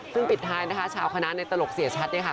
ซึ่งปิดท้ายนะคะชาวคณะในตลกเสียชัดเนี่ยค่ะ